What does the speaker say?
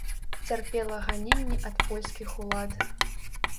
Цярпела ганенні ад польскіх улад.